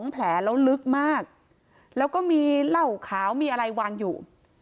แผลแล้วลึกมากแล้วก็มีเหล้าขาวมีอะไรวางอยู่